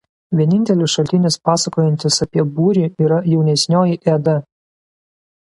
Vienintelis šaltinis pasakojantis apie Būrį yra „Jaunesnioji Eda“.